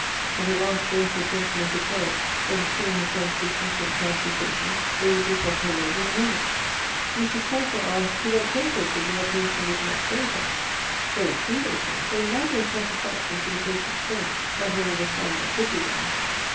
But at last both the gentlemen declared, that if she and her friends would consent to amputation, they would whip off her leg in a moment. Mrs. Carter asked, To what purpose, if the operation would not save her? Very true, they said; but it might be a satisfaction to the patient's friends, that all was done that could be done.